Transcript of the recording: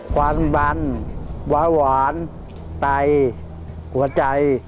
ความบันวาหวานไตหัวใจ